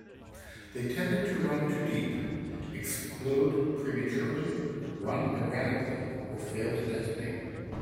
They tended to run too deep, explode prematurely, run erratically, or fail to detonate.